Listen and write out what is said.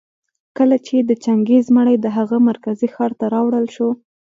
کله چي د چنګېز مړى د هغه مرکزي ښار ته راوړل شو